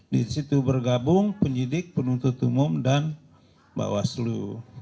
di situ bergabung penyidik penuntut umum dan bawah slu